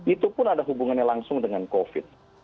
itu pun ada hubungannya langsung dengan covid